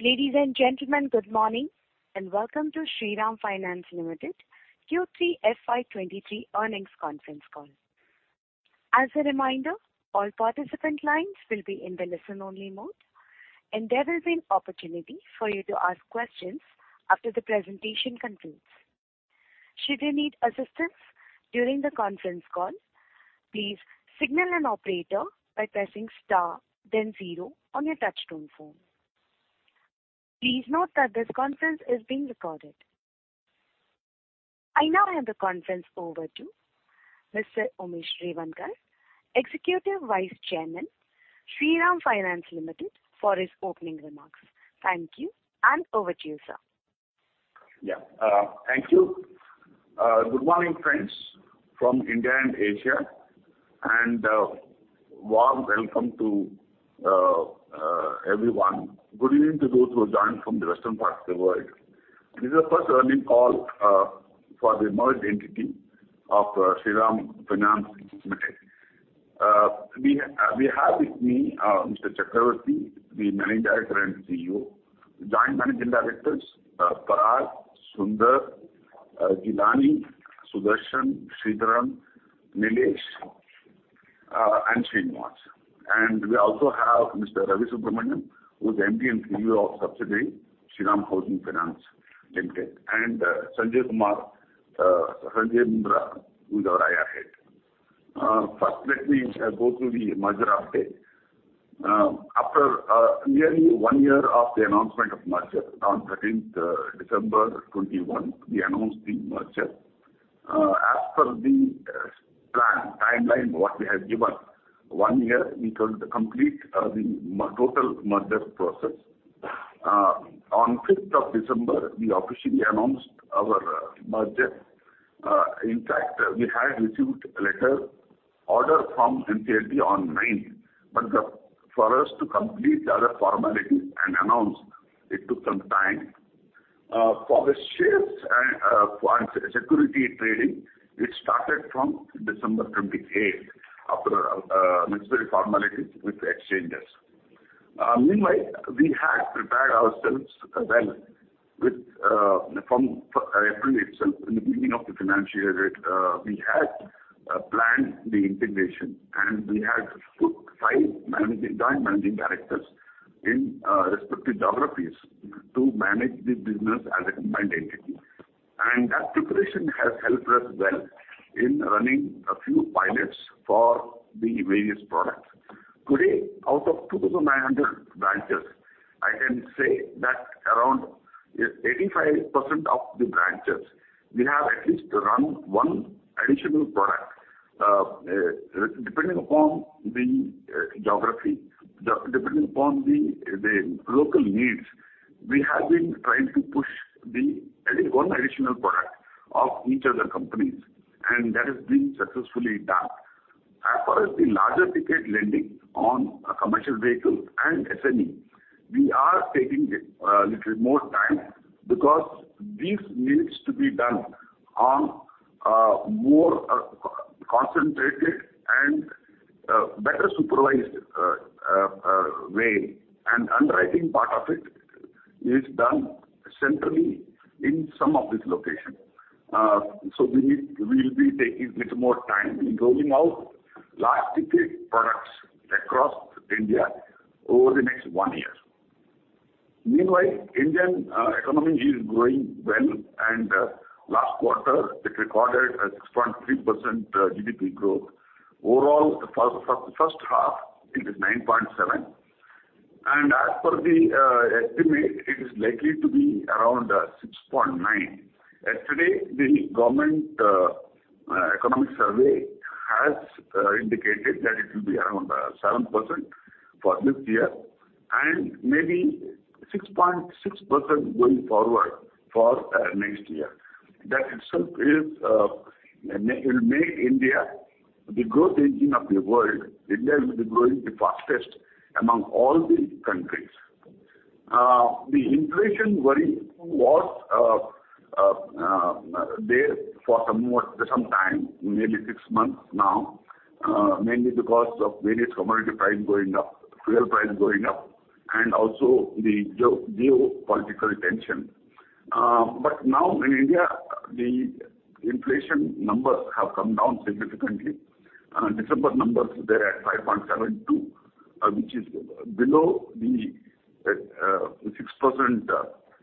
Ladies and gentlemen, good morning, welcome to Shriram Finance Limited Q3 FY 2023 earnings conference call. As a reminder, all participant lines will be in the listen-only mode, and there will be an opportunity for you to ask questions after the presentation concludes. Should you need assistance during the conference call, please signal an operator by pressing star then zero on your touch-tone phone. Please note that this conference is being recorded. I now hand the conference over to Mr. Umesh Revankar, Executive Vice Chairman, Shriram Finance Limited, for his opening remarks. Thank you, over to you, sir. Yeah. Thank you. Good morning, friends from India and Asia, and warm welcome to everyone. Good evening to those who have joined from the western part of the world. This is the first earning call for the merged entity of Shriram Finance Limited. We have with me Mr. Chakravarti, the Managing Director and CEO, Joint Managing Directors, Parag, Sundar, Gilani, Sudarshan, Sridharan, Nilesh, and Srinivas. We also have Mr. Ravi Subramanian, who is MD and CEO of subsidiary Shriram Housing Finance Limited, and Sanjay Kumar, who is our IR Head. First, let me go through the merger update. After nearly 1 year of the announcement of merger on 13th December 2021, we announced the merger. As per the plan, timeline what we had given, one year we could complete the total merger process. On 5th of December, we officially announced our merger. In fact, we had received letter order from NCLT on 9th, but for us to complete the other formalities and announce, it took some time. For the shares and for security trading, it started from December 28th after necessary formalities with the exchanges. Meanwhile, we had prepared ourselves well with from April. In the beginning of the financial year, we had planned the integration, and we had put five managing, joint managing directors in respective geographies to manage the business as a combined entity. That preparation has helped us well in running a few pilots for the various products. Today, out of 2,900 branches, I can say that around 85% of the branches, we have at least run one additional product. Depending upon the geography, depending upon the local needs, we have been trying to push the, at least one additional product of each other companies, and that has been successfully done. As far as the larger ticket lending on commercial vehicles and SME, we are taking a little more time because this needs to be done on a more concentrated and better supervised way. Underwriting part of it is done centrally in some of this location. We'll be taking little more time in rolling out large ticket products across India over the next one year. Meanwhile, Indian economy is growing well. Last quarter it recorded a 6.3% GDP growth. Overall, for the first half, it is 9.7%. As per the estimate, it is likely to be around 6.9%. Yesterday, the government economic survey has indicated that it will be around 7% for this year, and maybe 6.6% going forward for next year. That itself will make India the growth engine of the world. India will be growing the fastest among all the countries. The inflation worry was there for some time, nearly six months now, mainly because of various commodity price going up, fuel price going up, and also the geopolitical tension. Now in India, the inflation numbers have come down significantly. December numbers, they're at 5.72, which is below the 6%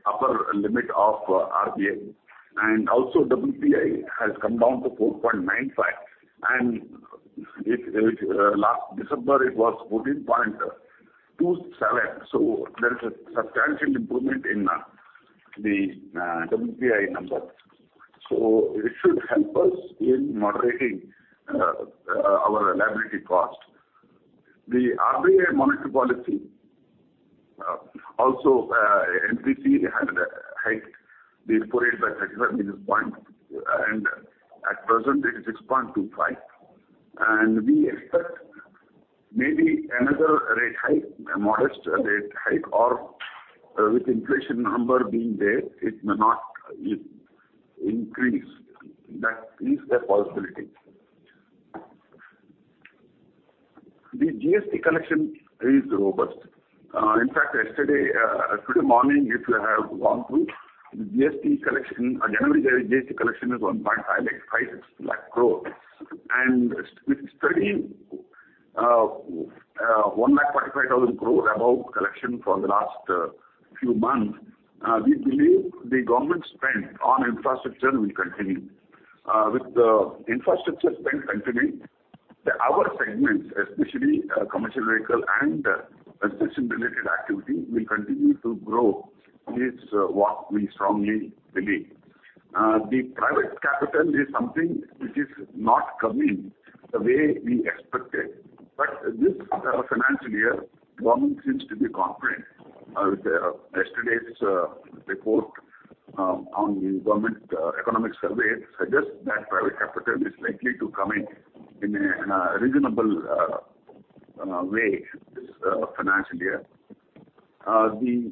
upper limit of RBI. Also WPI has come down to 4.95. It last December, it was 14.27. There is a substantial improvement in the WPI number. It should help us in moderating our liability cost. The RBI monetary policy also MPC had hiked the repo rate by 37 basis points, and at present it is 6.25. We expect maybe another rate hike, a modest rate hike or, with inflation number being there, it may not increase. That is the possibility. The GST collection is robust. In fact, yesterday, today morning, if you have gone through the GST collection, generally, the GST collection is 1.5856 lakh crore. With steady 1,45,000 crore above collection for the last few months, we believe the government spend on infrastructure will continue. With the infrastructure spend continuing, our segments, especially, commercial vehicle and construction-related activity will continue to grow is what we strongly believe. The private capital is something which is not coming the way we expected. This financial year, government seems to be confident. With yesterday's report on the government economic survey suggest that private capital is likely to come in a reasonable way this financial year. The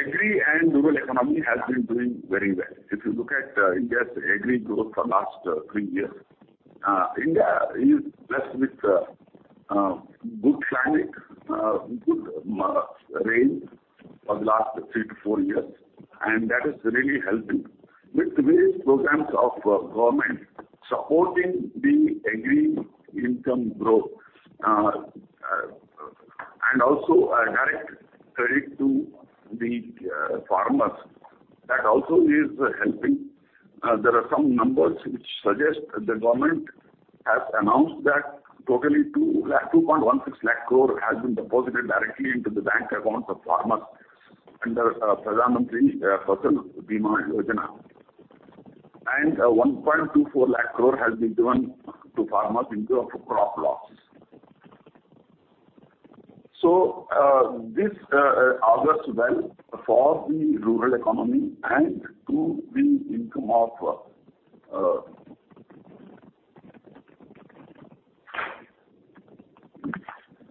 agri and rural economy has been doing very well. If you look at India's agri growth for last three years, India is blessed with good climate, good rain for the last three to four years, and that is really helping. With various programs of government supporting the agri income growth, and also a direct credit to the farmers, that also is helping. There are some numbers which suggest that the government has announced that totally 2.16 lakh crore has been deposited directly into the bank accounts of farmers under Pradhan Mantri Fasal Bima Yojana. 1.24 lakh crore has been given to farmers in lieu of crop losses. This augurs well for the rural economy and to the income of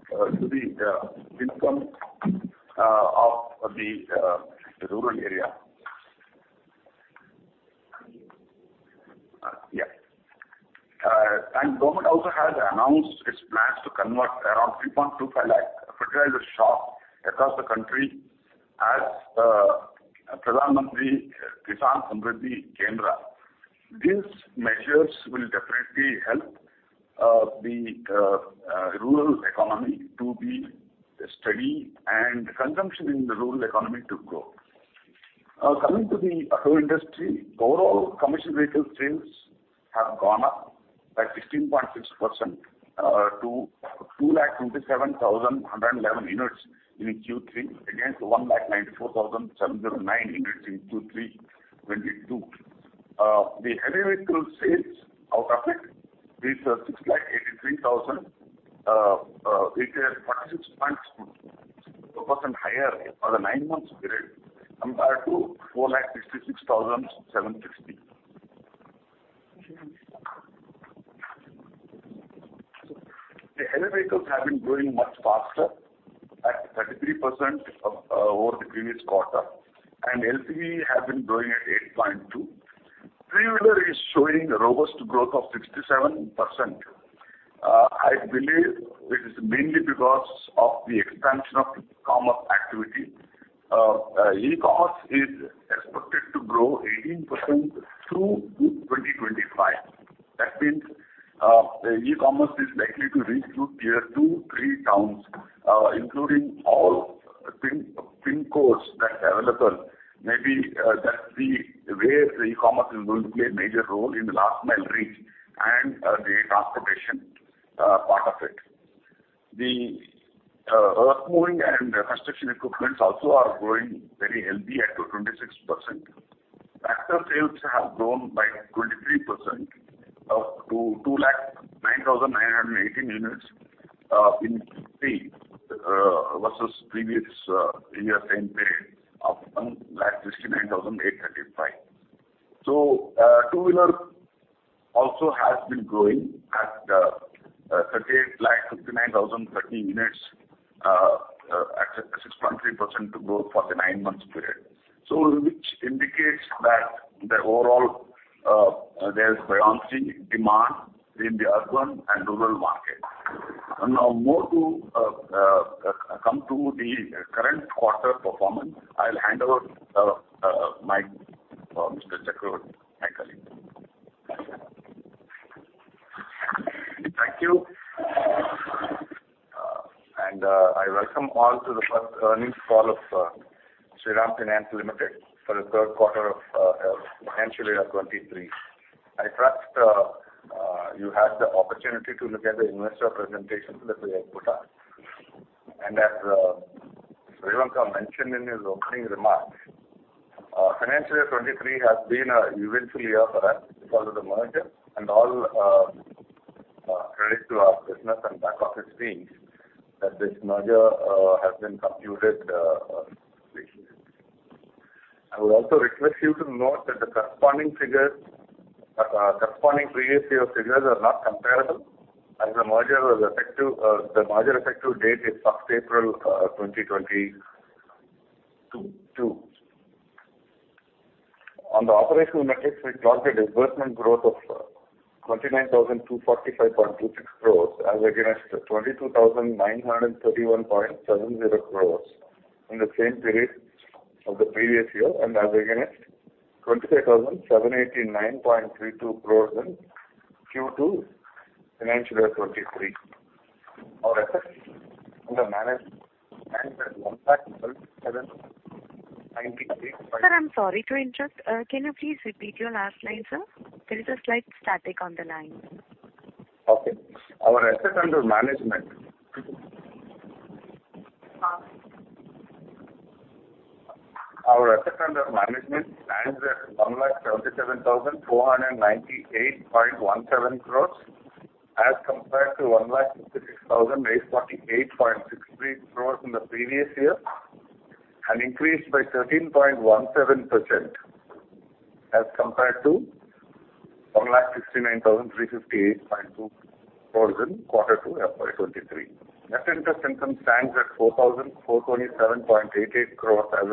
the rural area. Yeah. Government also has announced its plans to convert around 3.25 lakh fertilizer shops across the country as Pradhan Mantri Kisan Samruddhi Kendras. These measures will definitely help the rural economy to be steady and consumption in the rural economy to grow. Coming to the auto industry, overall commercial vehicle sales have gone up by 16.6% to 227,111 units in Q3 against 194,709 units in Q3 2022. The heavy vehicle sales out of it is 683,000, which is 36.2% higher for the nine-month period compared to 466,760. The heavy vehicles have been growing much faster at 33% over the previous quarter, and LCV has been growing at 8.2%. Three-wheeler is showing robust growth of 67%. I believe it is mainly because of the expansion of e-commerce activity. E-commerce is expected to grow 18% through to 2025. That means, the e-commerce is likely to reach to tier two/three towns, including all pin codes that are available. Maybe, that's the way the e-commerce is going to play a major role in the last mile reach and the transportation part of it. The earthmoving and construction equipments also are growing very healthy at 26%. Tractor sales have grown by 23% up to 2,09,918 units, in Q3, versus previous year same period of 1,69,835 units. Two-wheeler also has been growing at 38,59,030 units, at 6.3% growth for the nine months period. Which indicates that the overall, there's buoyancy demand in the urban and rural market. Now more to come to the current quarter performance, I'll hand over mic to Mr. Chakravarthy, my colleague. Thank you. I welcome all to the first earnings call of Shriram Finance Limited for the third quarter of financial year 2023. I trust, you had the opportunity to look at the investor presentation that we have put up. As Umesh Revankar mentioned in his opening remarks, financial year 2023 has been a eventful year for us because of the merger. All credit to our business and back office teams that this merger has been completed successfully. I would also request you to note that the corresponding figures, corresponding previous year figures are not comparable as the merger was effective. The merger effective date is 1st April, 2022. On the operational metrics, we clocked a disbursement growth of 29,245.26 crores as against 22,931.70 crores in the same period of the previous year and as against 23,789.32 crores in Q2 financial year 2023. Our Assets Under Management stands at INR 1 lakh seventy-seven- Sir, I'm sorry to interrupt. Can you please repeat your last line, sir? There is a slight static on the line. Okay. Our Assets Under Management. Uh-huh. Our assets under management stands at 1,77,298.17 crores as compared to 1,66,848.63 crores in the previous year, and increased by 13.17% as compared to 1,69,358.20 crores in Q2 FY 2023. Net interest income stands at 4,427.88 crores as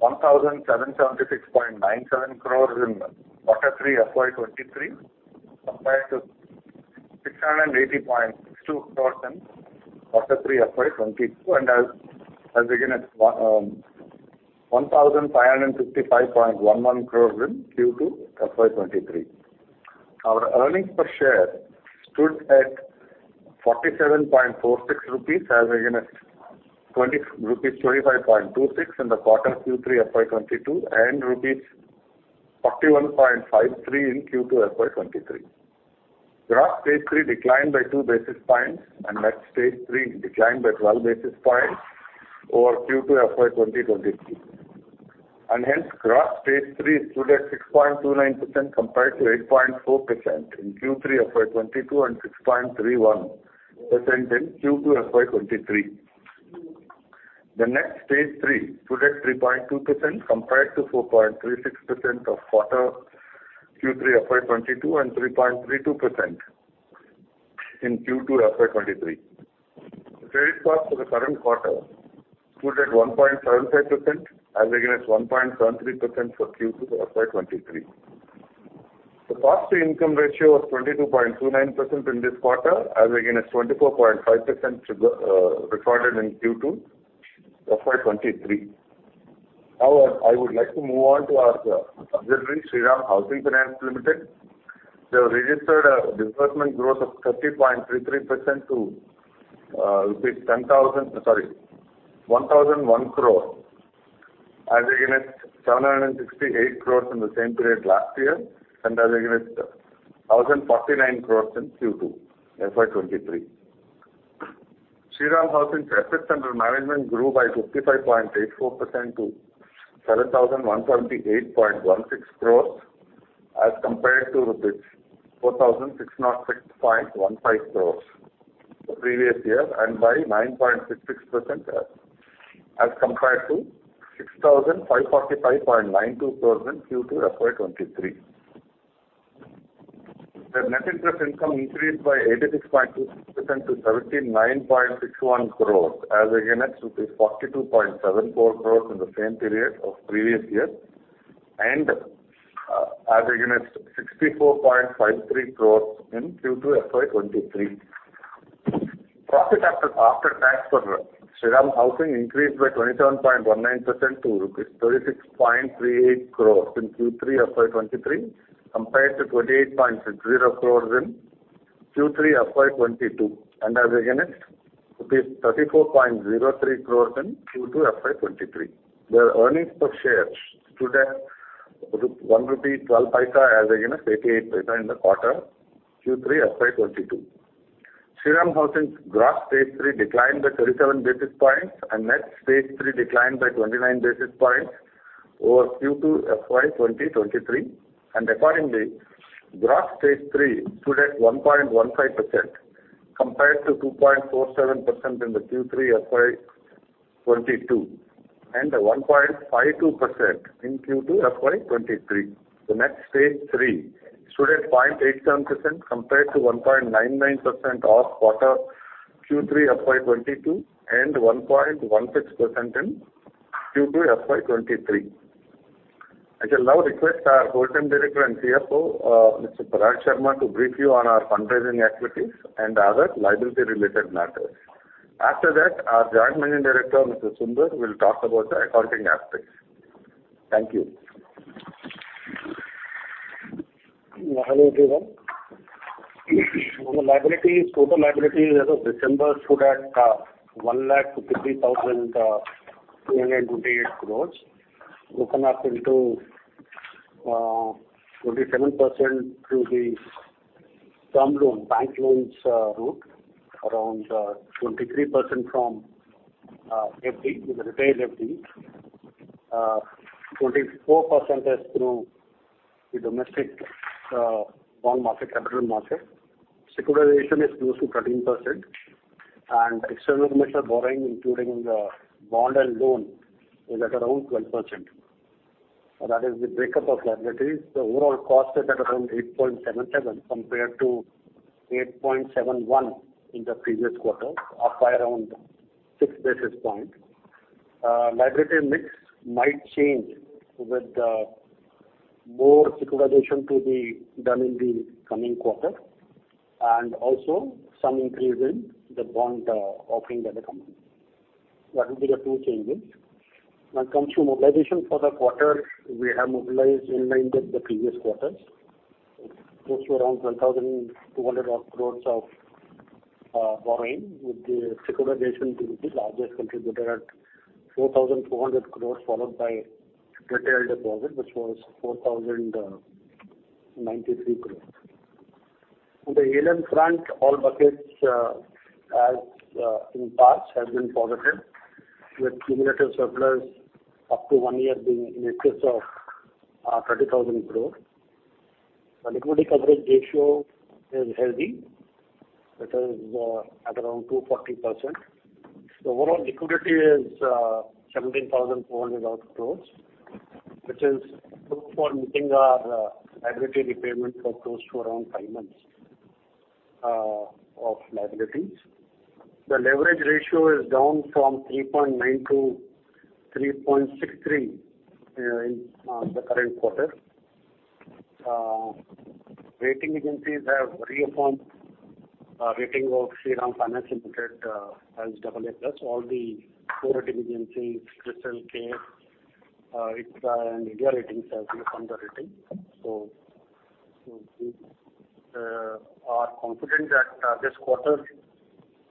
against INR compared to 28.60 crores in Q3 FY 2022. As against 34.03 crores in Q2 FY 2023, their earnings per share stood at 1.12 rupee as against 0.88 in the quarter Q3 FY 2022. Shriram Housing's gross Stage 3 declined by 37 basis points and Net Stage 3 declined by 29 basis points over Q2 FY 2023. Accordingly, gross Stage 3 stood at 1.15% compared to 2.47% in the Q3 FY 2022 and 1.52% in Q2 FY 2023. The Net Stage 3 stood at 0.87% compared to 1.99% of Q3 FY 2022 and 1.16% in Q2 FY 2023. I shall now request our Whole-time Director and CFO, Mr. Parag Sharma, to brief you on our fundraising activities and other liability related matters. After that, our Joint Managing Director, Mr. Sundar, will talk about the accounting aspects. Thank you. Hello, everyone. On the liabilities, total liabilities as of December stood at 1,53,328 crores, open up into 47% to be Term loan, bank loans, route around 23% from FD with retail FD. 24% is through the domestic bond market, capital market. Securitization is close to 13%. External measure borrowing, including the bond and loan, is at around 12%. That is the break up of liabilities. The overall cost is at around 8.77 compared to 8.71 in the previous quarter, up by around 6 basis points. Liability mix might change with more securitization to be done in the coming quarter and also some increase in the bond offering by the company. That will be the two changes. When it comes to mobilization for the quarter, we have mobilized in line with the previous quarters. It's close to around 10,200 odd crores of borrowing, with the securitization being the largest contributor at 4,200 crores, followed by retail deposit, which was 4,093 crores. On the ALM front, all buckets, as in past have been positive with cumulative surplus up to one year being in excess of 30,000 crores. Liquidity coverage ratio is healthy. It is at around 240%. The overall liquidity is 17,400 odd crores, which is good for meeting our liability repayment for close to around 5 months of liabilities. The leverage ratio is down from 3.9 to 3.63 in the current quarter. Rating agencies have reaffirmed our rating of Shriram Finance Limited as AA+. All the credit agencies, CRISIL, CARE, ICRA and India Ratings have reaffirmed the rating. We are confident that this quarter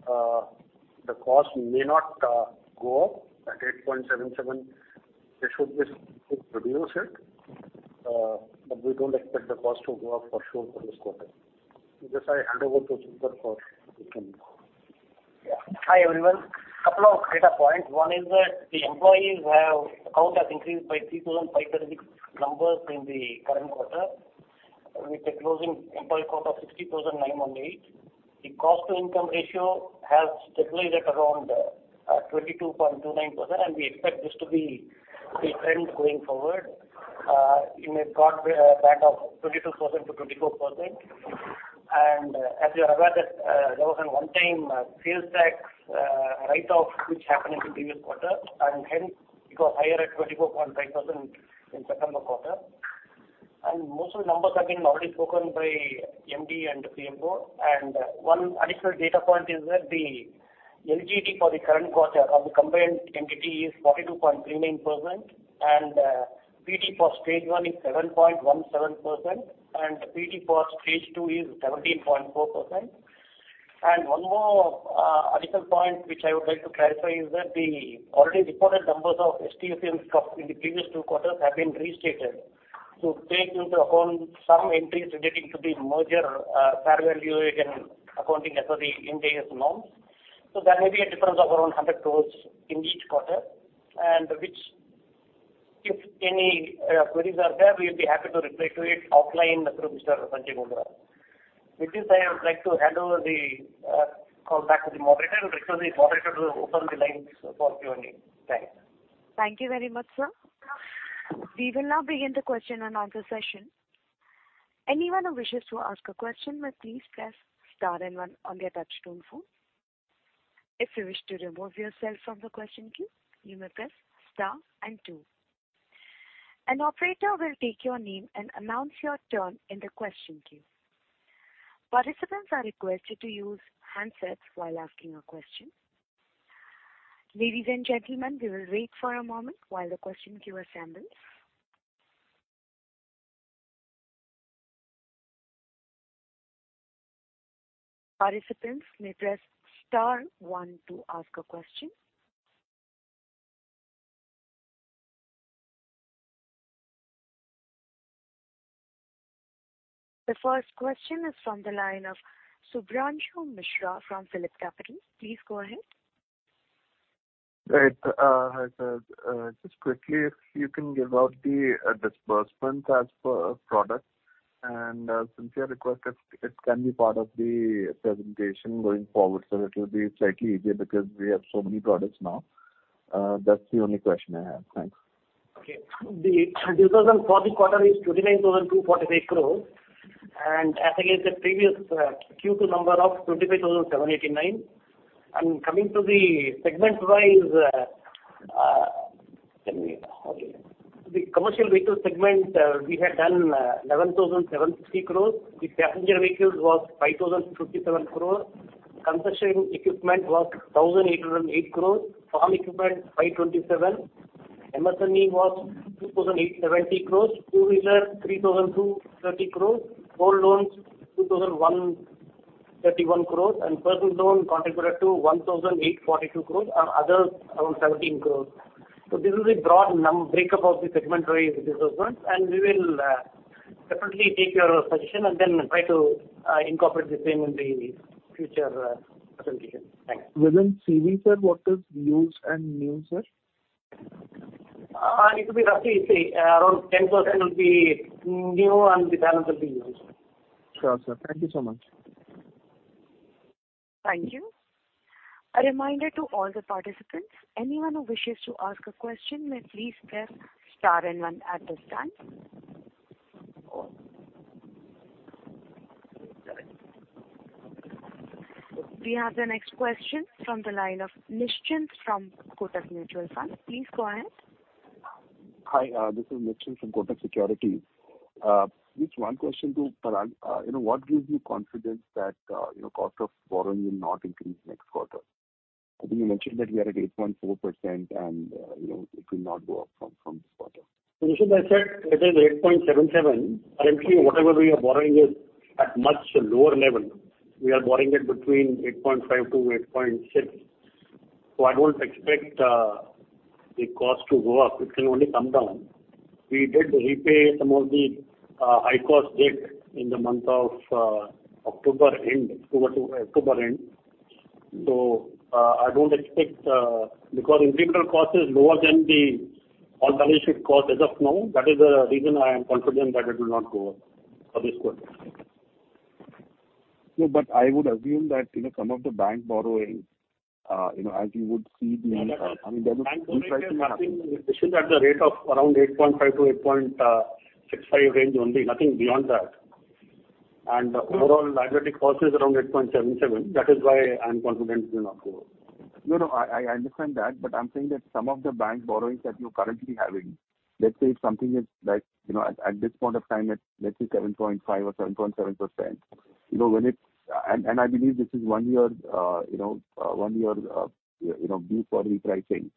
the cost may not go up at 8.77%. It should reduce it. We don't expect the cost to go up for sure for this quarter. With this I hand over to Sundar for additional. Yeah. Hi, everyone. Couple of data points. One is that the employees have count has increased by 3,500 numbers in the current quarter, with a closing employee count of 60,918. The cost-to-income ratio has stabilized at around 22.29%, and we expect this to be the trend going forward in a broad band of 22%-24%. As you're aware that there was an one-time sales tax write-off which happened in the previous quarter, and hence it got higher at 24.5% in September quarter. Most of the numbers have been already spoken by MD and CMO. One additional data point is that the NGT for the current quarter of the combined entity is 42.39%, PT for stage one is 7.17%, and PT for stage two is 17.4%. One more additional point which I would like to clarify is that the already reported numbers of STSM in the previous two quarters have been restated to take into account some entries relating to the merger, fair valuation accounting as per the Ind AS norms. There may be a difference of around 100 crores in each quarter, and which if any queries are there, we'll be happy to reply to it offline through Mr. Sanjay Mundra. With this, I would like to hand over the call back to the moderator and request the moderator to open the lines for Q&A. Thanks. Thank you very much, sir. We will now begin the question and answer session. Anyone who wishes to ask a question may please press star one on their touchtone phone. If you wish to remove yourself from the question queue, you may press star two. An operator will take your name and announce your turn in the question queue. Participants are requested to use handsets while asking a question. Ladies and gentlemen, we will wait for a moment while the question queue assembles. Participants may press star one to ask a question. The first question is from the line of Shubhranshu Mishra from PhillipCapital. Please go ahead. Right. Hi, sir. Just quickly, if you can give out the, disbursements as per product and, sincere request if it can be part of the presentation going forward, that it will be slightly easier because we have so many products now. That's the only question I have. Thanks. Okay. The 24 quarter is 29,248 crores and as against the previous Q2 number of 25,789 crores. Coming to the segment-wise, the commercial vehicle segment, we have done 11,750 crores. The passenger vehicles was 5,057 crores. Construction equipment was 1,808 crores. Farm equipment, 527 crores. MSME was 2,870 crores. Two-wheeler, 3,230 crores. Car loans, 2,001 crores. 31 crores and personal loan contributed to 1,842 crores and others around 17 crores. This is the broad breakup of the segmentary disbursements and we will definitely take your suggestion and then try to incorporate the same in the future presentation. Thanks. Within savings, sir, what is used and new, sir? It will be roughly say around 10% will be new and the balance will be used. Sure, sir. Thank you so much. Thank you. A reminder to all the participants, anyone who wishes to ask a question may please press star and one at this time. We have the next question from the line of Nischan from Kotak Mutual Fund. Please go ahead. Hi, this is Nischint from Kotak Securities. Just one question to Parag. You know, what gives you confidence that, you know, cost of borrowing will not increase next quarter? I think you mentioned that we are at 8.4% and, you know, it will not go up from this quarter. Nischint, as I said, it is 8.77%. Currently, whatever we are borrowing is at much lower level. We are borrowing it between 8.5%-8.6%. I don't expect the cost to go up. It can only come down. We did repay some of the high-cost debt in the month of October end, October to October end. I don't expect because incremental cost is lower than the all balance sheet cost as of now. That is the reason I am confident that it will not go up for this quarter. I would assume that, you know, some of the bank borrowing, you know, as you would see the, I mean, there would be pricing happening. Bank borrowing is nothing, Nischint, at the rate of around 8.5% to 8.65% range only, nothing beyond that. The overall liability cost is around 8.77%. That is why I'm confident it will not go up. No, I understand that, but I'm saying that some of the bank borrowings that you're currently having, let's say something is like, you know, at this point of time it's let's say 7.5% or 7.7%, you know, when it's. I believe this is one year, you know, due for repricing.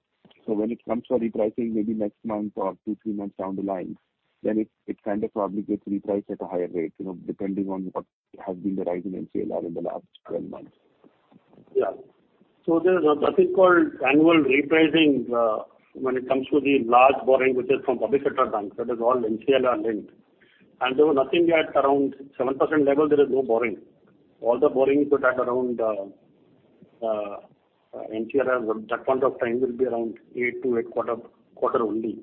When it comes for repricing maybe next month or two, three months down the line, then it kind of probably gets repriced at a higher rate, you know, depending on what has been the rise in ECLGS in the last 12 months. Yeah. There's, that is called annual repricing, when it comes to the large borrowing, which is from public sector banks, that is all ECLGS linked. There was nothing at around 7% level, there is no borrowing. All the borrowings were at around ECLGS. That point of time will be around 8%-8.25% only.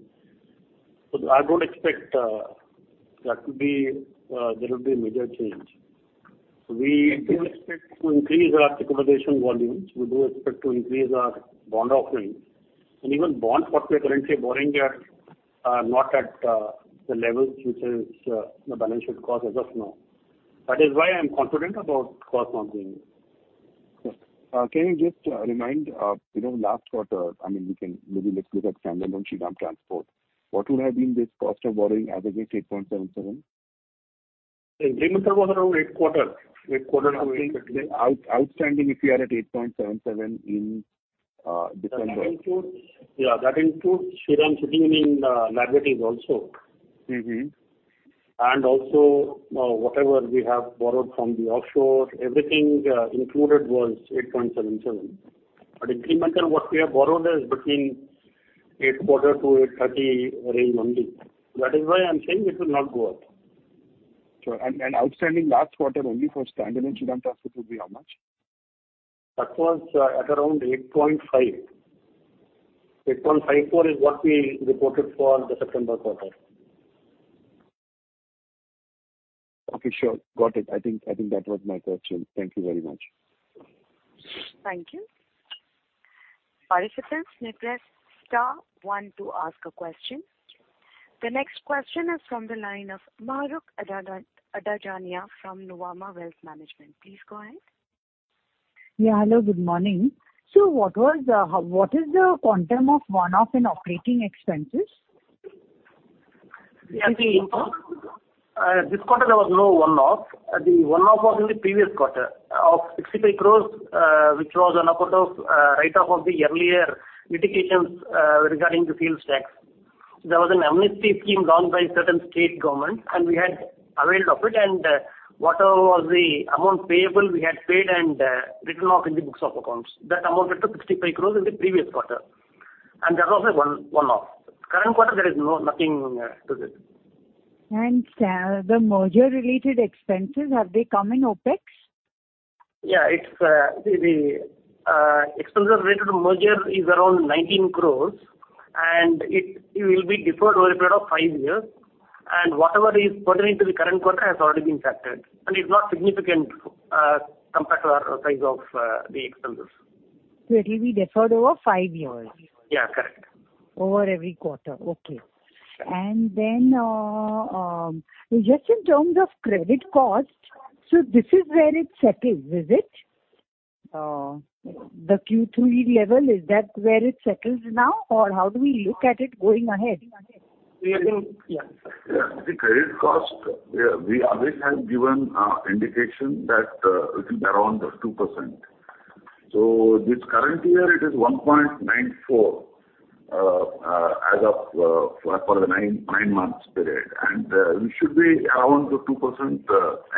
I don't expect there will be a major change. We do expect to increase our securitization volumes. We do expect to increase our bond offerings. Even bonds, what we are currently borrowing at are not at the levels which is the balance sheet cost as of now. That is why I'm confident about cost not being. Sure. Can you just remind, you know, last quarter, I mean, we can maybe let's look at Standalone Shriram Transport. What would have been this cost of borrowing as against 8.77? Incremental was around eight quarter I would say. Outstanding, if you are at 8.77 in December. That includes, yeah, that includes Shriram Shipping in liabilities also. Mm-hmm. Also, whatever we have borrowed from the offshore, everything included was 8.77%. Incremental, what we have borrowed is between 8.25%-8.30% range only. That is why I'm saying it will not go up. Sure. And outstanding last quarter only for Standalone Shriram Transport would be how much? That was, at around 8.5%. 8.54% is what we reported for the September quarter. Okay. Sure. Got it. I think that was my question. Thank you very much. Thank you. Participants may press star one to ask a question. The next question is from the line of Mahrukh Adajania from Nuvama Wealth Management. Please go ahead. Yeah. Hello, good morning. What is the quantum of one-off in operating expenses? This quarter there was no one-off. The one-off was in the previous quarter of 65 crores, which was on account of write-off of the earlier litigations regarding the sales tax. There was an amnesty scheme gone by certain state governments, we had availed of it. Whatever was the amount payable we had paid and written off in the books of accounts. That amounted to 65 crores in the previous quarter. That was a one-off. Current quarter there is nothing to this. The merger related expenses, have they come in OpEx? Yeah. It's the expenses related to merger is around 19 crores and it will be deferred over a period of five years. Whatever is pertaining to the current quarter has already been factored and is not significant compared to our size of the expenses. It will be deferred over five years. Yeah. Correct. Over every quarter. Okay. Sure. Just in terms of credit cost, this is where it settles, is it? The Q3 level, is that where it settles now? How do we look at it going ahead? The credit- Yeah. The credit cost, we always have given indication that it will be around the 2%. This current year it is 1.94, as of, for the nine months period. We should be around the 2%,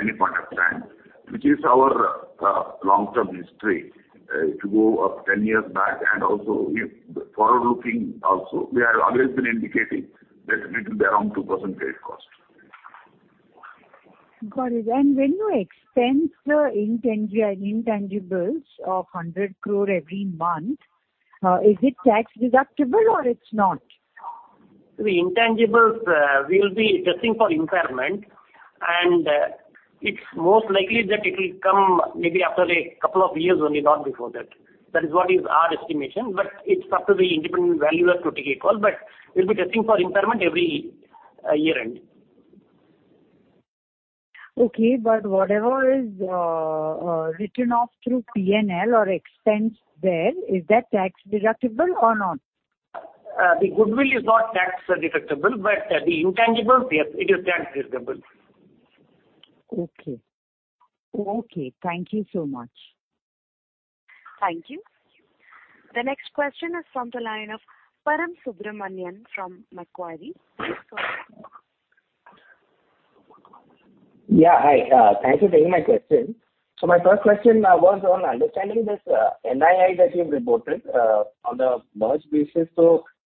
any point of time, which is our long-term history, if you go of 10 years back and also if forward-looking also, we have always been indicating that it will be around 2% trade cost. Got it. When you expense the intangibles of 100 crore every month, is it tax-deductible or it's not? The intangibles, we will be testing for impairment, and it's most likely that it'll come maybe after a couple of years only, not before that. That is what is our estimation. It's up to the independent valuer to take a call, but we'll be testing for impairment every year-end. Okay. Whatever is written off through P&L or expense there, is that tax-deductible or not? The goodwill is not tax-deductible, but the intangibles, yes, it is tax-deductible. Okay. Okay. Thank you so much. Thank you. The next question is from the line of Param Subramanian from Macquarie. Please go ahead. Hi. Thank you for taking my question. My first question was on understanding this NII that you've reported on the merged basis.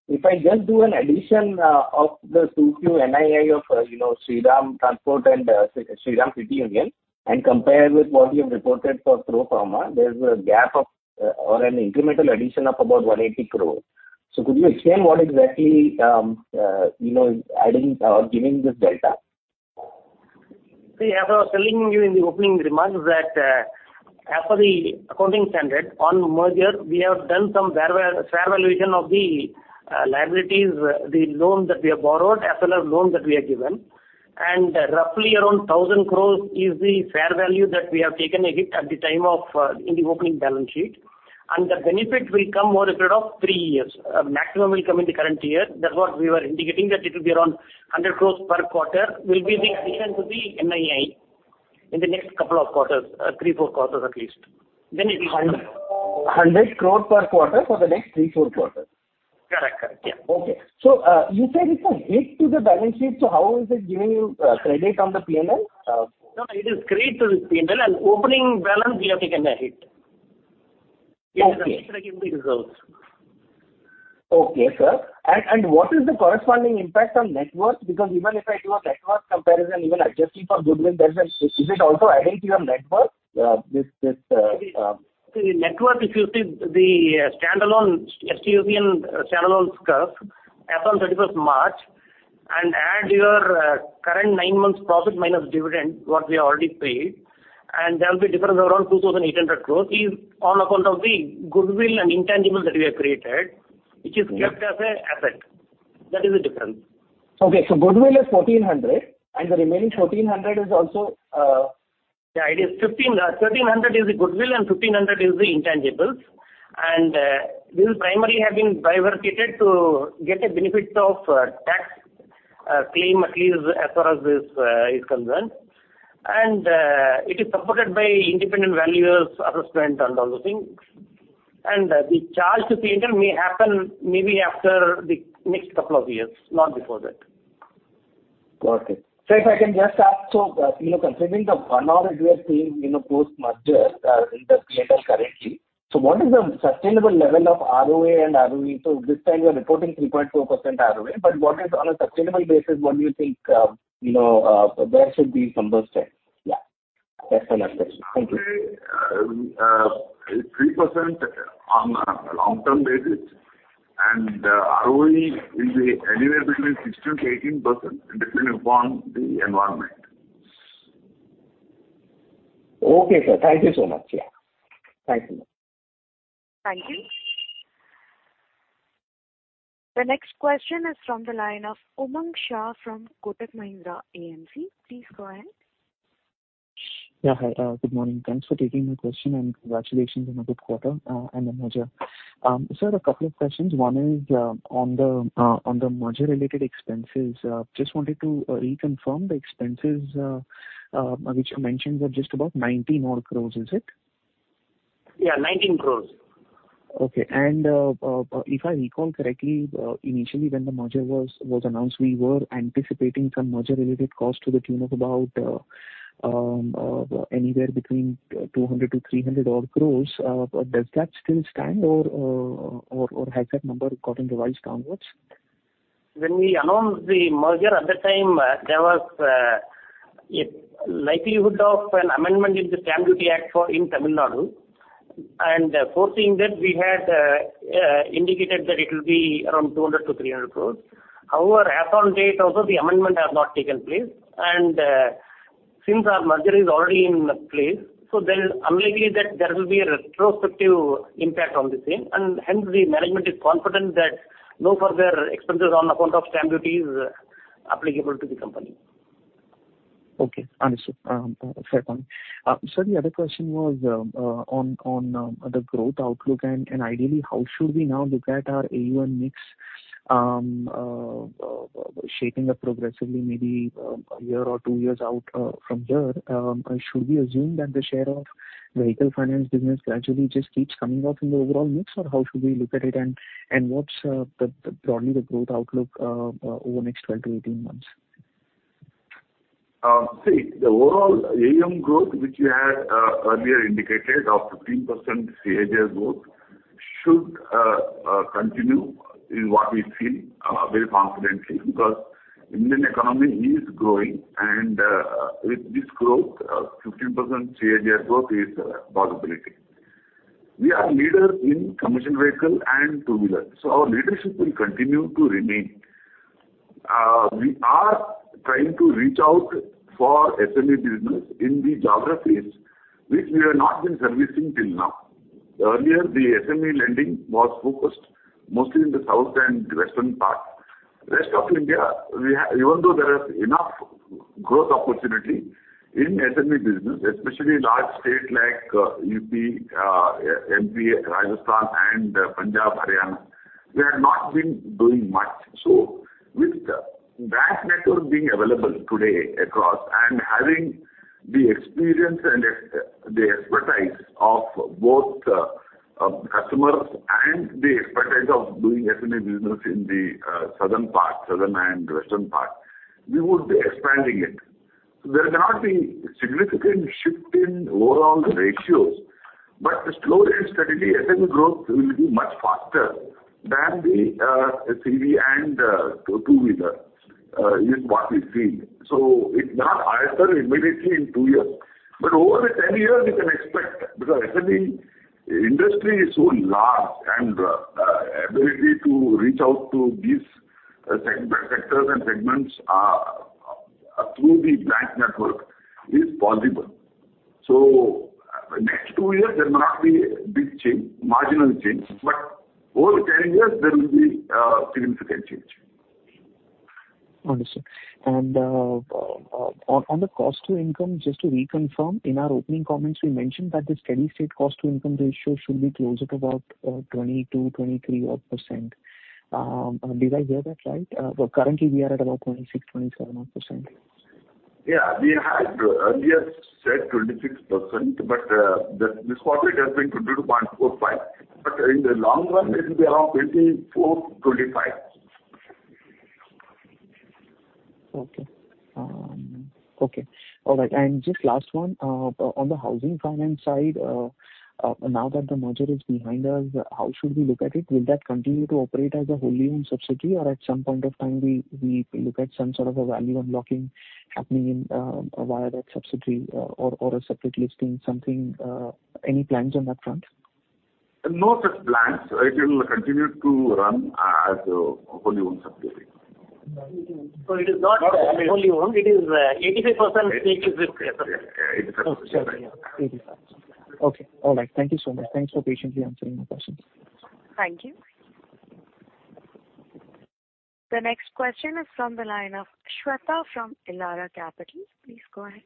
If I just do an addition of the 2Q NII of, you know, Shriram Transport and Shriram City Union, and compare with what you've reported for pro forma, there's a gap of or an incremental addition of about 180 crore. Could you explain what exactly, you know, adding or giving this data? See, as I was telling you in the opening remarks that, as per the accounting standard on merger, we have done some fair valuation of the liabilities, the loan that we have borrowed, as well as loan that we have given. Roughly around 1,000 crores is the fair value that we have taken a hit at the time of in the opening balance sheet. The benefit will come over a period of three years. Maximum will come in the current year. That's what we were indicating that it will be around 100 crores per quarter will be the addition to the NII in the next couple of quarters, three-four quarters at least. It will come. 100 crore per quarter for the next three-four quarters? Correct. Correct. Yeah. Okay. You said it's a hit to the balance sheet, so how is it giving you credit on the P&L? No, it is credit to the P&L, and opening balance we have taken a hit. Okay. It is reflecting in the results. Okay, sir. What is the corresponding impact on net worth? Because even if I do a net worth comparison, even adjusting for goodwill, there's an issue. Is it also adding to your net worth? The net worth, if you see the standalone STFC and standalone SCUF as on 31st March, and add your current nine months profit minus dividend, what we have already paid, and there'll be a difference of around 2,800 crores is on account of the goodwill and intangibles that we have created. Okay. -which is kept as a asset. That is the difference. Okay. goodwill is 1,400, and the remaining 1,400 is also. It is 15. 1,300 is the goodwill and 1,500 is the intangibles. This primarily have been bifurcated to get a benefit of tax claim at least as far as this is concerned. It is supported by independent valuers, assessment and all those things. The charge to P&L may happen maybe after the next couple of years, not before that. Got it. If I can just ask, you know, considering the one off we are seeing, you know, post-merger, in the P&L currently, what is the sustainable level of ROA and ROE? This time you are reporting 3.2% ROE, but what is on a sustainable basis, what do you think, you know, there should be some boost there? Yeah. That's my next question. Thank you. ROA is 3% on a long-term basis, and ROE will be anywhere between 16%-18%, depending upon the environment. Okay, sir. Thank you so much. Yeah. Thank you. Thank you. The next question is from the line of Umang Shah from Kotak Mahindra AMC. Please go ahead. Yeah. Hi. Good morning. Thanks for taking my question, and congratulations on a good quarter, and the merger. Sir, a couple of questions. One is, on the, on the merger related expenses. Just wanted to, reconfirm the expenses, which you mentioned were just about 90 odd crores, is it? Yeah, 19 crores. Okay. If I recall correctly, initially when the merger was announced, we were anticipating some merger related cost to the tune of anywhere between 200 to 300 odd crores. Does that still stand or has that number gotten revised downwards? When we announced the merger, at that time, there was a likelihood of an amendment in the stamp duty act for in Tamil Nadu. Foreseeing that we had indicated that it will be around 200 crore-300 crore. As on date also, the amendment has not taken place. Since our merger is already in place, so there is unlikely that there will be a retrospective impact on the same. Hence the management is confident that no further expenses on account of stamp duty is applicable to the company. Okay. Understood. fair point. sir, the other question was on the growth outlook and ideally how should we now look at our AUM mix shaping up progressively maybe, a year or two years out, from here, should we assume that the share of vehicle finance business gradually just keeps coming off in the overall mix or how should we look at it and what's the broadly the growth outlook over the next 12-18 months? See, the overall AUM growth which we had earlier indicated of 15% CAGR growth should continue in what we feel very confidently because Indian economy is growing and with this growth 15% CAGR growth is a possibility. We are leader in commercial vehicle and two-wheeler, so our leadership will continue to remain. We are trying to reach out for SME business in the geographies which we have not been servicing till now. Earlier, the SME lending was focused mostly in the south and western part. Rest of India, even though there is enough growth opportunity in SME business, especially large states like UP, MP, Rajasthan and Punjab, Haryana, we have not been doing much. With branch network being available today across and having the experience and the expertise of both customers and the expertise of doing SME business in the southern part, southern and western part, we would be expanding it. There may not be significant shift in overall the ratios, but slowly and steadily, SME growth will be much faster than the CV and two-wheeler is what we feel. It's not higher immediately in two years, but over a 10 years you can expect because SME industry is so large and ability to reach out to these segment, sectors and segments through the bank network is possible. Next two years there may not be a big change, marginal change, but over 10 years there will be a significant change. Understood. On the cost to income, just to reconfirm, in our opening comments we mentioned that the steady-state cost to income ratio should be close at about 22%-23% odd. Did I hear that right? Currently we are at about 26%-27% odd. Yeah. We had earlier said 26%, but this quarter it has been 22.45%. In the long run it will be around 24%-25%. Okay. Okay. All right. Just last one. On the housing finance side, now that the merger is behind us, how should we look at it? Will that continue to operate as a wholly owned subsidiary or at some point of time we look at some sort of a value unlocking happening in via that subsidiary or a separate listing, something? Any plans on that front? No such plans. It will continue to run as a wholly owned subsidiary. It is not wholly owned. It is, 85% stake is with Shriram. Yeah, yeah. 85%. Okay. All right. Thank you so much. Thanks for patiently answering my questions. Thank you. The next question is from the line of Shweta from Elara Capital. Please go ahead.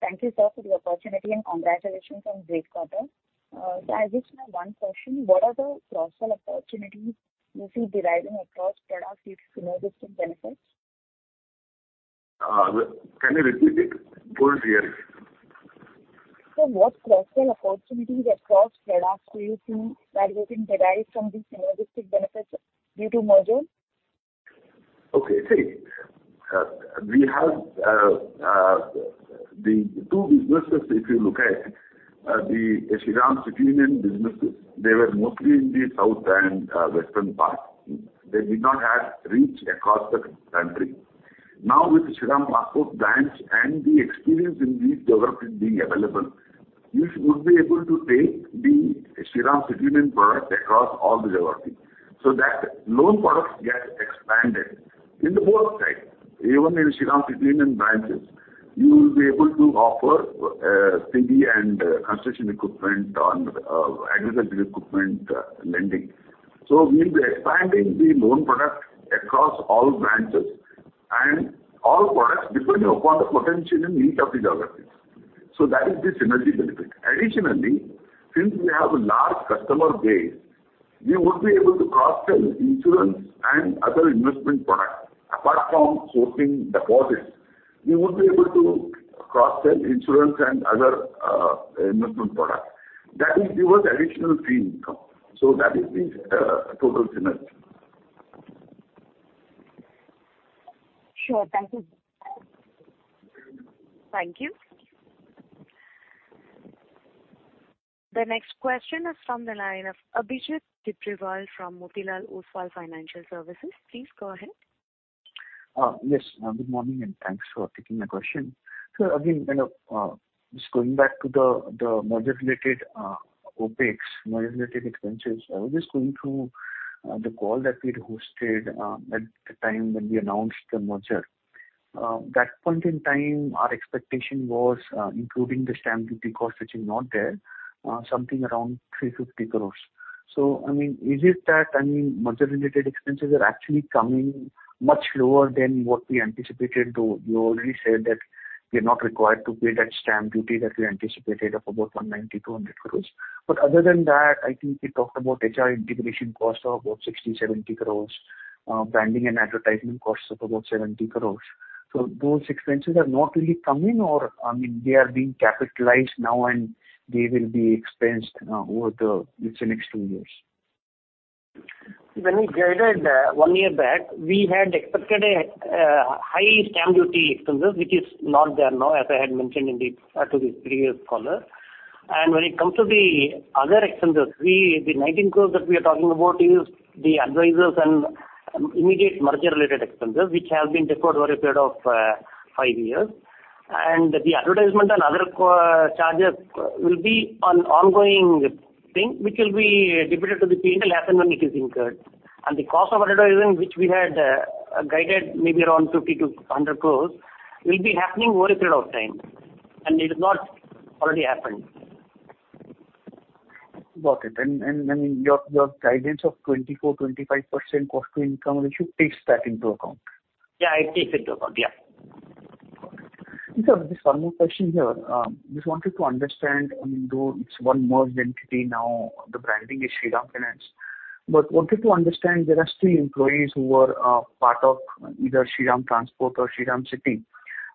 Thank you, sir, for the opportunity and congratulations on great quarter. I just have one question. What are the cross-sell opportunities you see deriving across products due to synergistic benefits? Can you repeat it? Poor hearing. Sir, what cross-sell opportunities across products do you think that you can derive from these synergistic benefits due to merger? Okay. See, we have the two businesses, if you look at the Shriram City Union businesses, they were mostly in the south and western part. They did not have reach across the country. Now, with Shriram Transport banks and the experience in these geographies being available, we would be able to take the Shriram City Union product across all the geographies, so that loan products get expanded in the both sides. Even in Shriram City Union branches, we will be able to offer CV and construction equipment and agricultural equipment lending. So we will be expanding the loan product across all branches and all products depending upon the potential and need of the geographies. So that is the synergy benefit. Additionally, since we have a large customer base, we would be able to cross-sell insurance and other investment products. Apart from sourcing deposits, we would be able to cross-sell insurance and other investment products. That will give us additional fee income. That is the total synergy. Sure. Thank you. Thank you. The next question is from the line of Abhijit Tibrewal from Motilal Oswal Financial Services. Please go ahead. Yes. Good morning, thanks for taking my question. Again, you know, just going back to the merger related OpEx, merger related expenses, I was just going through the call that we had hosted at the time when we announced the merger. That point in time our expectation was, including the stamp duty cost, which is not there, something around 350 crores. I mean, is it that, I mean, merger related expenses are actually coming much lower than what we anticipated to. You already said that we are not required to pay that stamp duty that we anticipated of about 190-200 crores. Other than that, I think we talked about HR integration costs of about 60-70 crores, branding and advertising costs of about 70 crores. Those expenses are not really coming or, I mean, they are being capitalized now and they will be expensed, over the, say, next two years. When we guided, one year back, we had expected a high stamp duty expenses which is not there now, as I had mentioned to the previous caller. When it comes to the other expenses, we, the 19 crores that we are talking about is the advisors and immediate merger related expenses, which have been deferred over a period of five years. The advertisement and other co-charges will be an ongoing thing, which will be debited to the P&L as and when it is incurred. The cost of advertising, which we had guided maybe around 50-100 crores, will be happening over a period of time, and it has not already happened. Got it. I mean, your guidance of 24%-25% cost to income ratio takes that into account. Yeah, it takes into account. Yeah. Got it. Sir, just one more question here. Just wanted to understand, I mean, though it's one merged entity now, the branding is Shriram Finance. Wanted to understand there are still employees who are part of either Shriram Transport or Shriram City,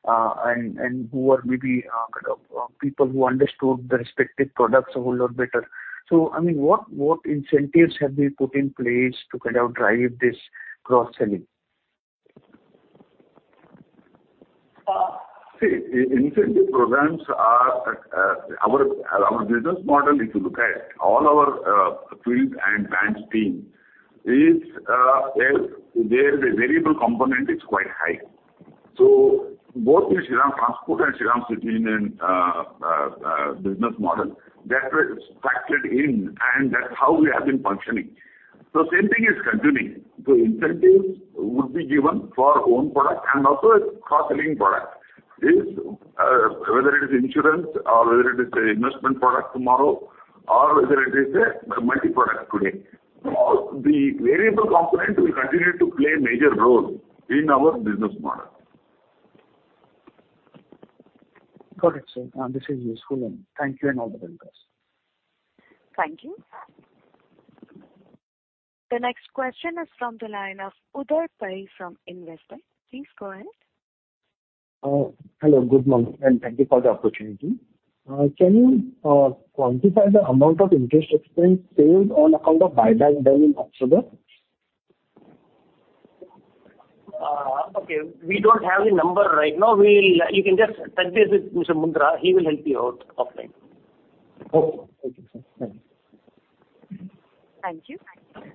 and who are maybe kind of people who understood the respective products a whole lot better. I mean, what incentives have been put in place to kind of drive this cross-selling? See, incentive programs are our business model, if you look at all our field and branch team is there the variable component is quite high. Both the Shriram Transport and Shriram City Union business model, that was factored in, and that's how we have been functioning. Same thing is continuing. The incentives would be given for own product and also a cross-selling product. If whether it is insurance or whether it is an investment product tomorrow, or whether it is a multi-product today. The variable component will continue to play a major role in our business model. Got it, sir. This is useful. Thank you and all the best. Thank you. The next question is from the line of Uday Parikh from Investment. Please go ahead. Hello. Good morning. Thank you for the opportunity. Can you quantify the amount of interest expense paid on account of buyback done in October? Okay. We don't have the number right now. You can just touch base with Mr. Mundra. He will help you out offline. Okay. Thank you, sir. Thank you. Thank you.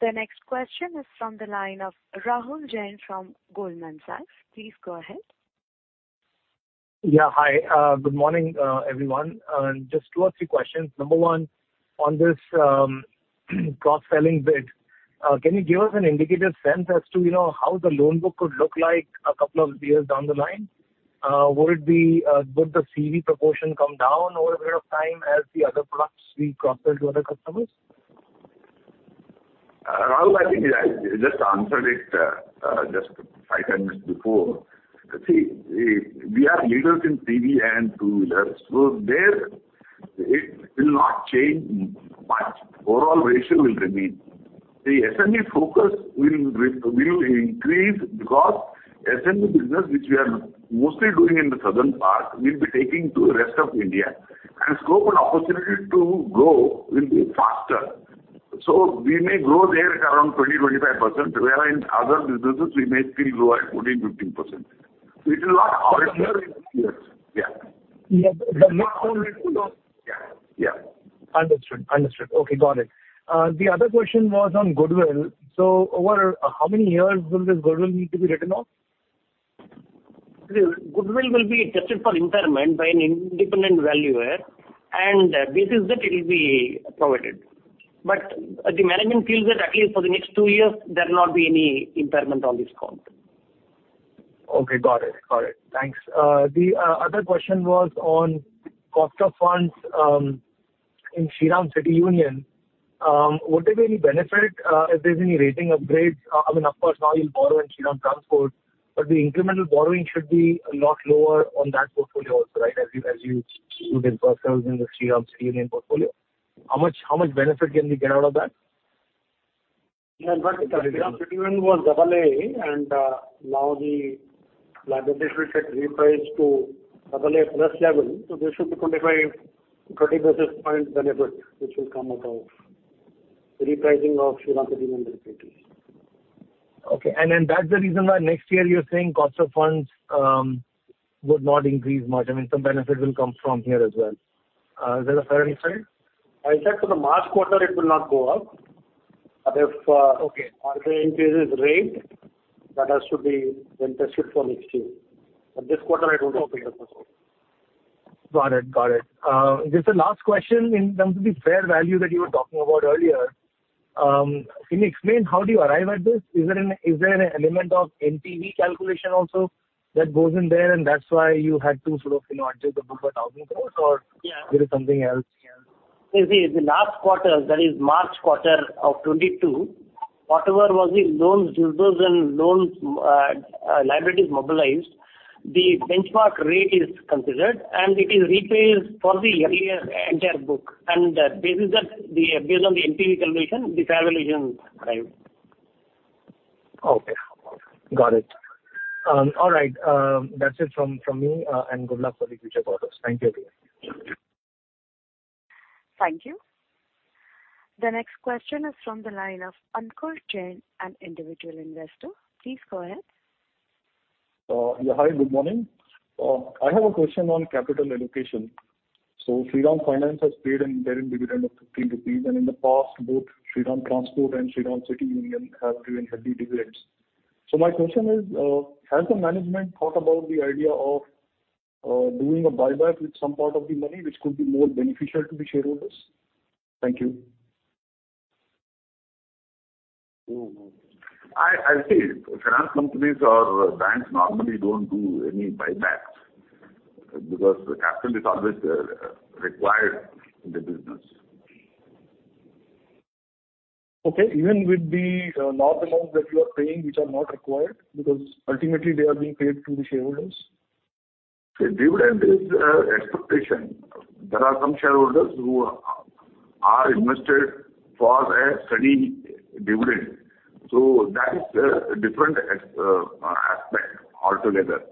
The next question is from the line of Rahul Jain from Goldman Sachs. Please go ahead. Yeah, hi. Good morning, everyone. Just two or three questions. Number one, on this, cross-selling bit, can you give us an indicative sense as to, you know, how the loan book could look like a couple of years down the line? Would it be, would the CV proportion come down over a period of time as the other products we cross-sell to other customers? Rahul, I think I just answered it, just five, 10 minutes before. We are leaders in TV and two-wheelers, so there it will not change much. Overall ratio will remain. The SME focus will increase because SME business, which we are mostly doing in the southern part, we'll be taking to the rest of India. Scope and opportunity to grow will be faster. We may grow there at around 20%-25%, wherein other businesses we may still grow at 14%-15%. It will not alter- But- Yes. Yeah. The loan rate will. Yeah. Yeah. Understood. Understood. Okay, got it. The other question was on goodwill. Over how many years will this goodwill need to be written off? Goodwill will be tested for impairment by an independent valuer and basis that it will be provided. The management feels that at least for the next two years there'll not be any impairment on this count. Okay, got it. Got it. Thanks. The other question was on cost of funds in Shriram City Union. Would there be any benefit if there's any rating upgrades? I mean, of course now you'll borrow in Shriram Transport, but the incremental borrowing should be a lot lower on that portfolio also, right? As you diversify within the Shriram City Union portfolio. How much benefit can we get out of that? Shriram City Union was Double A and now the liabilities get repriced to Double A plus level. There should be 25, 20 basis point benefit which will come out of repricing of Shriram City Union liabilities. Okay. That's the reason why next year you're saying cost of funds would not increase much. I mean, some benefit will come from here as well. Is that a fair insight? I said for the March quarter it will not go up. If... Okay. Market increases rate, that has to be then tested for next year. This quarter I don't see any difference. Got it. Got it. Just a last question in terms of the fair value that you were talking about earlier. Can you explain how do you arrive at this? Is there an element of NPV calculation also that goes in there, and that's why you had to sort of, you know, adjust the book by 1,000 crores? Yeah. Is it something else? See, the last quarter, that is March quarter of 2022, whatever was the loans dispersed and loans, liabilities mobilized. The benchmark rate is considered and it is repaid for the earlier entire book. Based on the NPV calculation, the travel agent arrives. Okay. Got it. All right. That's it from me. Good luck for the future quarters. Thank you, again. Thank you. The next question is from the line of Ankur Jain, an individual investor. Please go ahead. Yeah. Hi, good morning. I have a question on capital allocation. Shriram Finance has paid an interim dividend of 15 rupees, and in the past, both Shriram Transport and Shriram City Union have given heavy dividends. My question is, has the management thought about the idea of doing a buyback with some part of the money which could be more beneficial to the shareholders? Thank you. I see. finance companies or banks normally don't do any buybacks because the capital is always required in the business. Okay. Even with the large amounts that you are paying which are not required, because ultimately they are being paid to the shareholders. Dividend is expectation. There are some shareholders who are invested for a steady dividend. That is a different aspect altogether.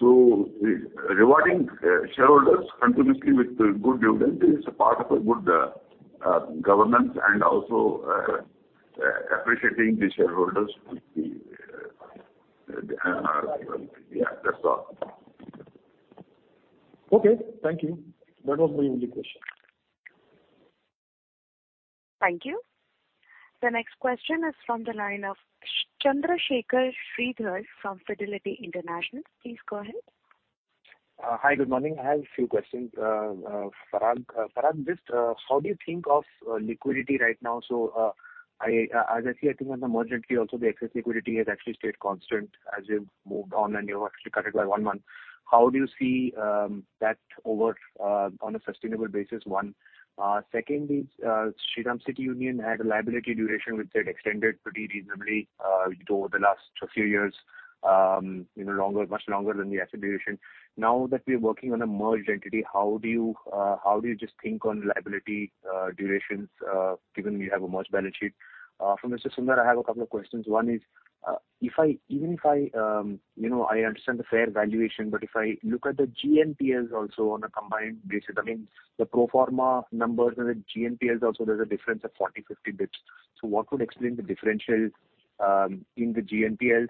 Rewarding shareholders continuously with good dividend is a part of a good governance and also appreciating the shareholders with the, yeah, that's all. Okay. Thank you. That was my only question. Thank you. The next question is from the line of Chandrasekhar Sridhar from Fidelity International. Please go ahead. Hi, good morning. I have a few questions. Parag, just how do you think of liquidity right now? As I see, I think as a merged entity also the excess liquidity has actually stayed constant as you've moved on and you've actually cut it by one month. How do you see that over on a sustainable basis, one. Second is, Shriram City Union had a liability duration which had extended pretty reasonably over the last few years, you know, longer, much longer than the asset duration. Now that we are working on a merged entity, how do you just think on liability durations given we have a merged balance sheet? For Mr. Sundar, I have a couple of questions. One is, if I, even if I, you know, I understand the fair valuation, but if I look at the GNPL also on a combined basis, I mean, the pro forma numbers and the GNPL also there's a difference of 40, 50 basis points. What would explain the differential in the GNPL?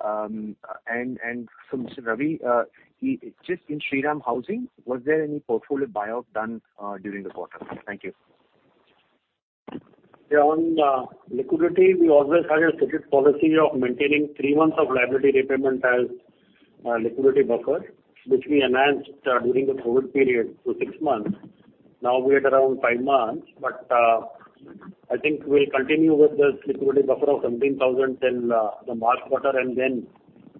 For Mr. Ravi, just in Shriram Housing, was there any portfolio buyoff done during the quarter? Thank you. On liquidity, we always had a strict policy of maintaining three months of liability repayment as liquidity buffer, which we enhanced during the COVID period to six months. Now we're at around five months. I think we'll continue with this liquidity buffer of 17,000 crore till the March quarter, and then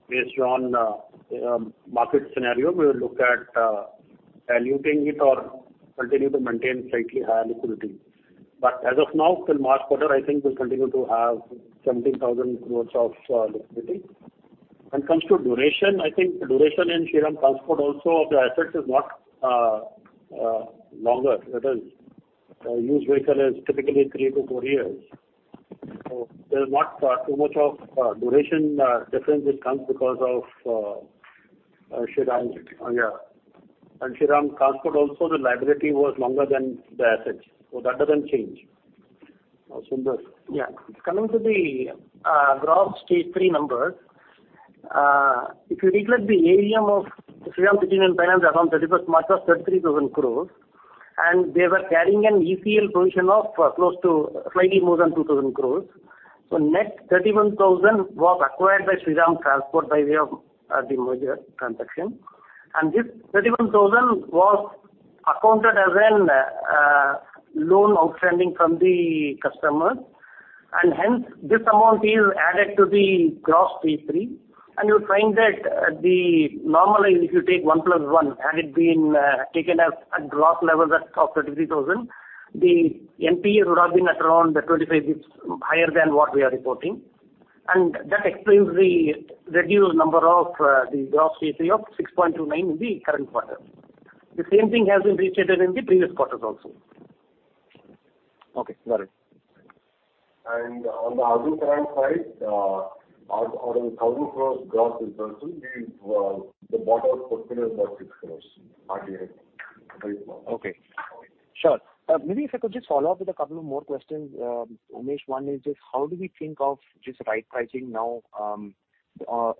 based on market scenario, we will look at diluting it or continue to maintain slightly higher liquidity. As of now, till March quarter, I think we'll continue to have 17,000 crore of liquidity. When it comes to duration, I think duration in Shriram Transport also, the assets is not longer. It is, a used vehicle is typically three-four years. There's not too much of duration difference which comes because of Shriram. Yeah. Shriram Transport also the liability was longer than the assets. That doesn't change. Sundar. Coming to the gross stage three numbers, if you neglect the AUM of Shriram City Union Finance around 31st March was 33,000 crores, and they were carrying an ECL provision of close to slightly more than 2,000 crores. Net 31,000 crores was acquired by Shriram Transport by way of the merger transaction. This 31,000 crores was accounted as a loan outstanding from the customer, and hence this amount is added to the gross stage three. You'll find that normally if you take one plus one, had it been taken as a gross level that of 33,000 crores, the NPA would have been at around 25 basis points higher than what we are reporting. That explains the reduced number of the gross stage three of 6.29 in the current quarter. The same thing has been restated in the previous quarters also. Okay, got it. On the AUM current side, out of INR 1,000 crores gross exposure, the bottom portfolio is about 6 crores AUM. Okay. Sure. Maybe if I could just follow up with a couple of more questions. Umesh, one is just how do we think of just right pricing now?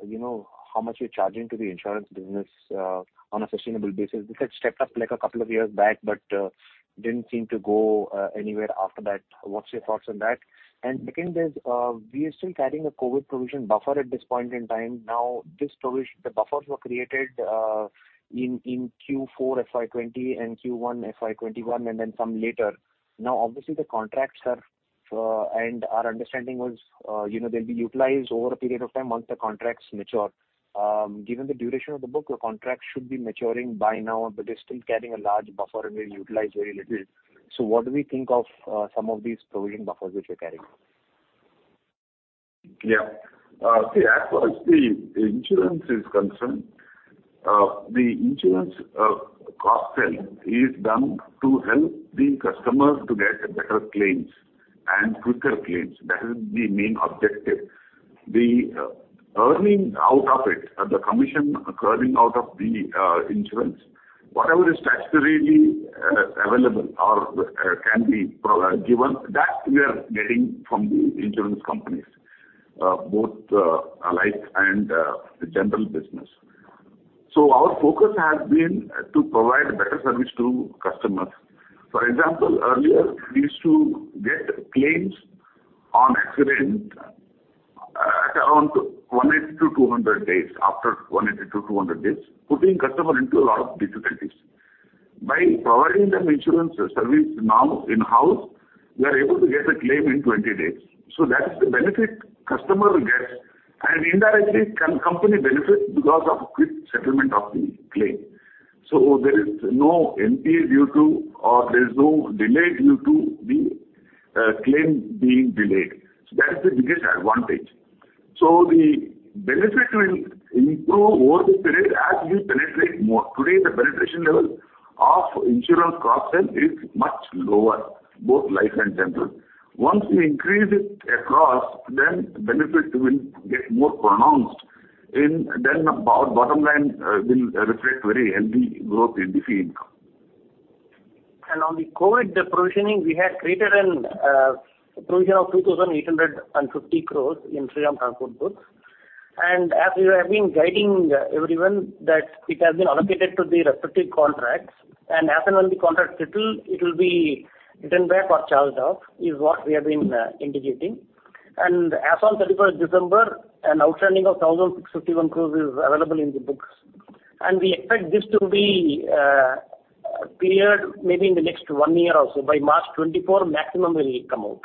You know, how much you're charging to the insurance business on a sustainable basis? This had stepped up like a couple of years back, but didn't seem to go anywhere after that. What's your thoughts on that? Second is, we are still carrying a COVID provision buffer at this point in time. Now, this provision, the buffers were created in Q4 FY 2020 and Q1 FY 2021 and then some later. Now obviously the contracts are, and our understanding was, you know, they'll be utilized over a period of time once the contracts mature. Given the duration of the book, your contract should be maturing by now, but they're still carrying a large buffer and we've utilized very little. What do we think of some of these provision buffers which we're carrying? See, as far as the insurance is concerned, the insurance cost center is done to help the customer to get better claims and quicker claims. That is the main objective. The earning out of it, the commission occurring out of the insurance, whatever is statutorily available or can be given, that we are getting from the insurance companies, both life and the general business. Our focus has been to provide better service to customers. For example, earlier we used to get claims on accident at around 180 to 200 days, after 180 to 200 days, putting customer into a lot of difficulties. By providing them insurance service now in-house, we are able to get a claim in 20 days. That is the benefit customer will get and indirectly can company benefit because of quick settlement of the claim. There is no NPA due to, or there is no delay due to the claim being delayed. That's the biggest advantage. The benefit will improve over the period as we penetrate more. Today, the penetration level of insurance cross-sell is much lower, both life and general. Once we increase it across then benefit will get more pronounced and then our bottom line will reflect very healthy growth in the fee income. On the COVID, the provisioning we had created a provision of 2,850 crore in Shriram Transport books. As we have been guiding everyone that it has been allocated to the respective contracts and as and when the contract settle it will be written back or charged off, is what we have been indicating. As on 31st December, an outstanding of 1,651 crore is available in the books. We expect this to be cleared maybe in the next one year or so. By March 2024 maximum will come out.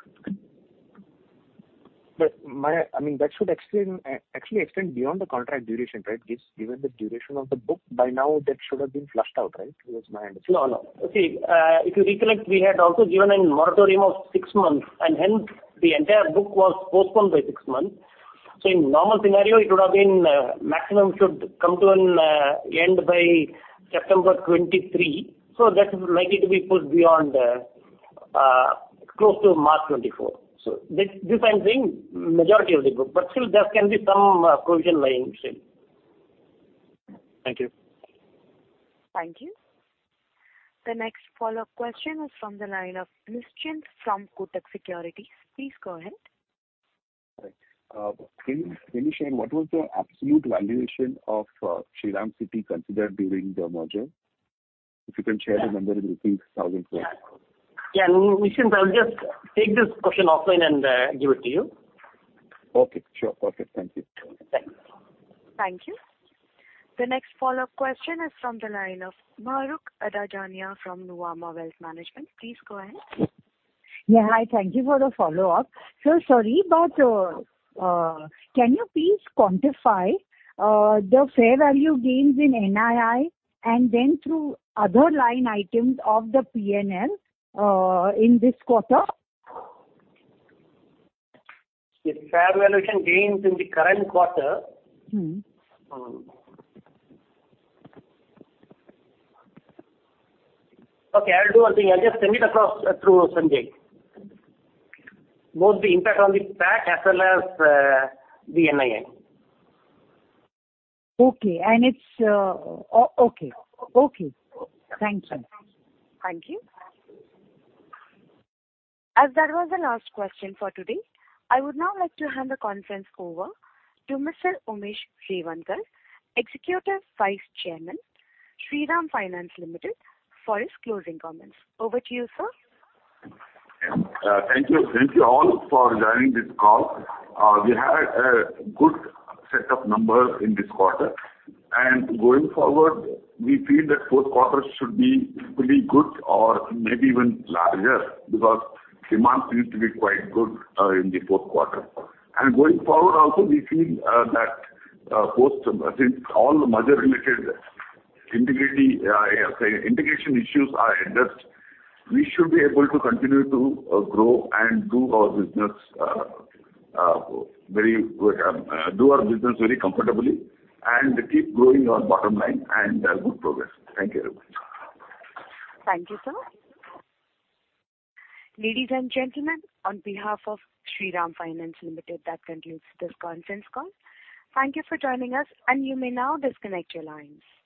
I mean, that should extend, actually extend beyond the contract duration, right? Given the duration of the book by now that should have been flushed out, right? It was my understanding. No, no. See, if you recollect, we had also given a moratorium of six months. Hence the entire book was postponed by six months. In normal scenario, it would have been, maximum should come to an end by September 2023. That is likely to be pushed beyond, close to March 2024. This I'm saying majority of the book. Still there can be some provision lying still. Thank you. Thank you. The next follow-up question is from the line of Nischint from Kotak Securities. Please go ahead. Right. Can you share what was the absolute valuation of Shriram City considered during the merger? If you can share the number. Yeah. INR 1,000 crores. Yeah. Nischint, I will just take this question offline and give it to you. Okay. Sure. Perfect. Thank you. Thanks. Thank you. The next follow-up question is from the line of Mahrukh Adajania from Nuvama Wealth Management. Please go ahead. Yeah. Hi. Thank you for the follow-up. Sorry, but can you please quantify the fair value gains in NII and then through other line items of the P&L in this quarter? The fair valuation gains in the current quarter? Mm-hmm. Okay, I'll do one thing. I'll just send it across through Sanjay. Both the impact on the PAT as well as the NII. Okay. It's okay. Okay. Thank you. Thank you. As that was the last question for today, I would now like to hand the conference over to Mr. Umesh Revankar, Executive Vice Chairman, Shriram Finance Limited, for his closing comments. Over to you, sir. Yeah. Thank you. Thank you all for joining this call. We had a good set of numbers in this quarter. Going forward, we feel that fourth quarter should be equally good or maybe even larger because demand seems to be quite good in the fourth quarter. Going forward also, we feel that post I think all the merger related integrity, integration issues are addressed, we should be able to continue to grow and do our business very comfortably and keep growing our bottom line and have good progress. Thank you very much. Thank you, sir. Ladies and gentlemen, on behalf of Shriram Finance Limited, that concludes this conference call. Thank you for joining us, and you may now disconnect your lines.